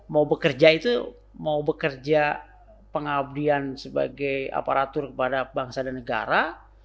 mau bekerja itu mau bekerja pengabdian sebagai aparatur kepada bangsa dan negara